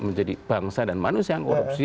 menjadi bangsa dan manusia yang korupsi